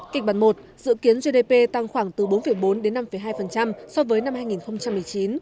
kịch bản một dự kiến gdp tăng khoảng từ bốn bốn đến năm hai so với năm hai nghìn một mươi chín